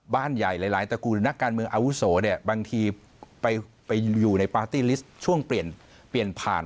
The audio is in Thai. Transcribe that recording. ใหญ่หลายตระกูลนักการเมืองอาวุโสเนี่ยบางทีไปอยู่ในปาร์ตี้ลิสต์ช่วงเปลี่ยนเปลี่ยนผ่าน